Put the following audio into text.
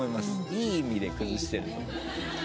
いい意味で崩してると。